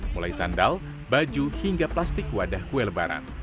mulai sandal baju hingga plastik wadah kue lebaran